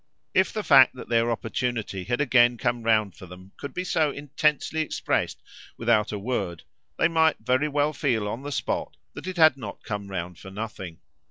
If the fact that their opportunity had again come round for them could be so intensely expressed without a word, they might very well feel on the spot that it had not come round for nothing.